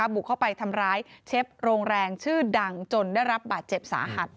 บุกเข้าไปทำร้ายเชฟโรงแรงชื่อดังจนได้รับบาดเจ็บสาหัส